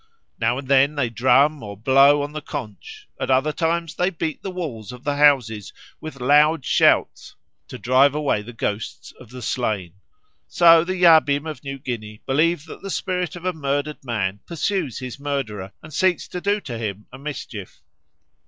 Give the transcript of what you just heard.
Now and then they drum or blow on the conch; at other times they beat the walls of the houses with loud shouts to drive away the ghosts of the slain. So the Yabim of New Guinea believe that the spirit of a murdered man pursues his murderer and seeks to do him a mischief.